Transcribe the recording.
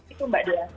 itu mbak dila